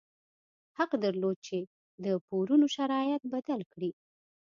حق درلود چې د پورونو شرایط بدل کړي.